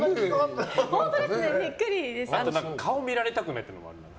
あと、顔を見られたくないっていうのもある。